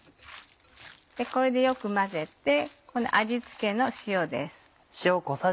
これでよく混ぜてこの味付けの塩です。